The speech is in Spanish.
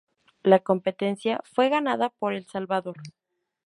La competencia fue ganada por El Salvador.